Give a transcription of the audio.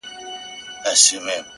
ستا ټولي كيسې لوستې!!